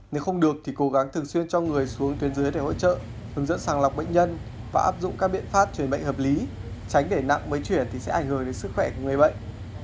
nếu không được thì cố gắng thường xuyên cho người xuống tuyến dưới để hỗ trợ hướng dẫn sàng lọc bệnh nhân và áp dụng các biện pháp chuyển bệnh hợp lý tránh để nặng mới chuyển thì sẽ ảnh hưởng đến sức khỏe của người bệnh